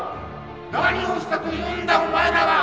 何をしたというんだお前らは！